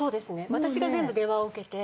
私が電話を受けて。